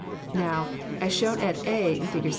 Now, as shown at a in Fig.